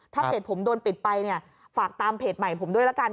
ถ้าเพจผมโดนปิดไปเนี่ยฝากตามเพจใหม่ผมด้วยละกัน